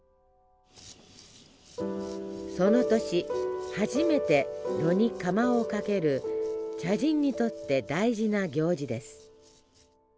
その年初めて炉に釜をかける茶人にとって大事な行事です。